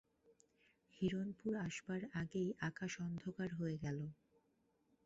হিরণপুর আসবার আগেই আকাশ অন্ধকার হয়ে গেল।